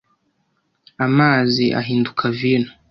Amazi ahinduka vino